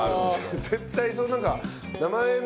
絶対そのなんか。